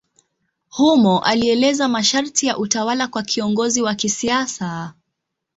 Humo alieleza masharti ya utawala kwa kiongozi wa kisiasa.